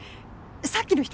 さっきの人？